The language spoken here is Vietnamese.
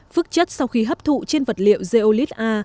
phước chất sau khi hấp thụ trên vật liệu zeolite a